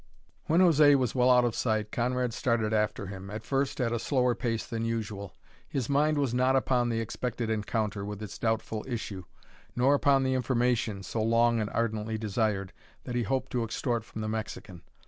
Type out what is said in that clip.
When José was well out of sight Conrad started after him, at first at a slower pace than usual. His mind was not upon the expected encounter, with its doubtful issue, nor upon the information, so long and ardently desired, that he hoped to extort from the Mexican.